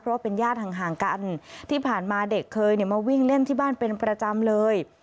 เพราะว่าเป็นญาติห่างกันที่ผ่านมาเด็กเคยมาวิ่งเล่นที่บ้านเป็นประจำเลย